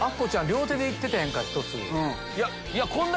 両手でいってたやんか。